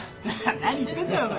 何言ってんだよお前。